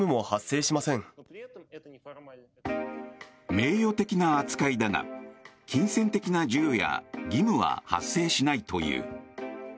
名誉的な扱いだが金銭的な授与や義務は発生しないという。